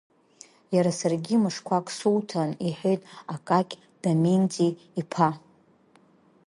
Иара саргьы мышқәак суҭан, – иҳәеит Акакь Доменти иԥа.